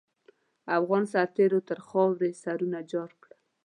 افغان سرتېرو تر خاروې سرونه جار کړل.